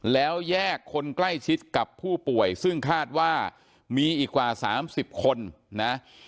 แล้วแยกคนใกล้ชิดกับผู้ป่วยซึ่งคาดว่ามีอีกกว่า๓๐คนนะ